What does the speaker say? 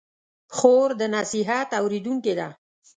خور د نصیحت اورېدونکې ده.